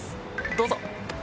どうぞ。